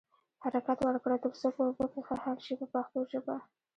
حرکت ورکړئ تر څو په اوبو کې ښه حل شي په پښتو ژبه.